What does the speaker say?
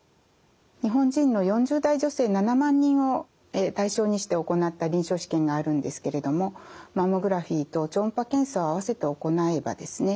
日本人の４０代女性７万人を対象にして行った臨床試験があるんですけれどもマンモグラフィーと超音波検査を併せて行えばですね